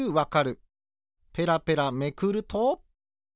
ペラペラめくると。